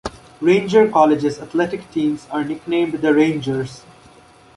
Ranger College's athletic teams are nicknamed the Rangers.